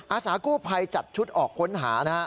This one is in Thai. อาสากู้ภัยจัดชุดออกค้นหานะฮะ